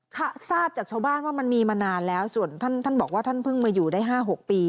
ถ้าทราบจากชาวบ้านว่ามันมีมานานแล้วส่วนท่านท่านบอกว่าท่านเพิ่งมาอยู่ได้๕๖ปี